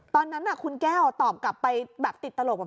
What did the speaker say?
ตอนนั้นคุณแก้วออกไปติดตลกแบบ